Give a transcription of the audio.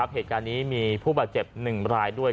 เหตุการณ์นี้มีผู้บาดเจ็บ๑รายด้วย